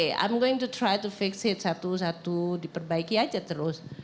i'm going to try to fix it satu satu diperbaiki aja terus